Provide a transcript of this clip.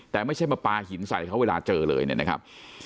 แต่ไม่ใช่มาปลาก้อนหินใส่เขาเวลาเจอเลยนะครับ